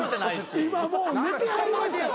今もう寝てはりました。